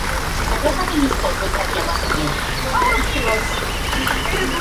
Fue padre de dos hijos: Esther y Washington.